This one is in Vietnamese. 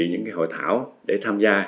những cái hội thảo để tham gia